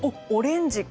オレンジ。